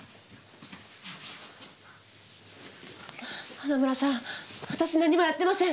花村さん私何もやってません。